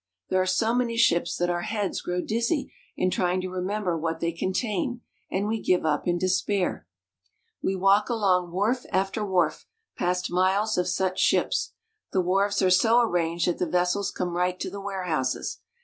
There are so many ships that our heads grow dizzy in trying to remember what they contain, and we give up in despair. Docks, Hamburg. We walk along wharf after wharf, past miles of such ships. The wharves are so arranged that the vessels come right to the warehouses.